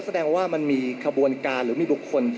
แสดงว่ามันมีขบวนการหรือมีบุคคล